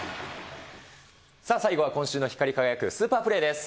さあ、最後は今週の光り輝くスーパープレーです。